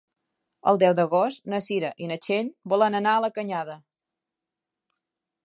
El deu d'agost na Cira i na Txell volen anar a la Canyada.